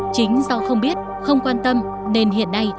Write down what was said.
chính do không biết không quan tâm nên hiện nay